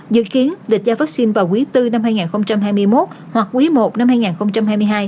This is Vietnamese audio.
dự kiến địch giao vaccine vào quý bốn năm hai nghìn hai mươi một hoặc quý một năm hai nghìn hai mươi hai